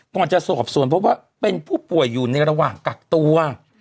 ก่อนจะสอบสวนเพราะว่าเป็นผู้ป่วยอยู่ในระหว่างกักตัว